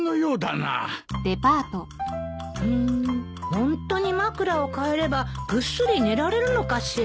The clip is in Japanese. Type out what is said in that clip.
ホントに枕を替えればぐっすり寝られるのかしら？